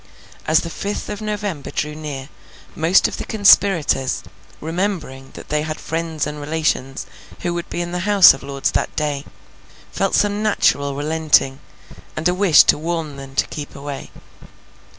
As the fifth of November drew near, most of the conspirators, remembering that they had friends and relations who would be in the House of Lords that day, felt some natural relenting, and a wish to warn them to keep away.